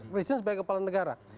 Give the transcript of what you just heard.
presiden sebagai kepala negara